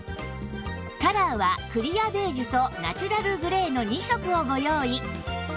カラーはクリアベージュとナチュラルグレーの２色をご用意